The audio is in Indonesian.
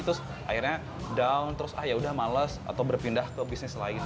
terus akhirnya down terus ah yaudah males atau berpindah ke bisnis lain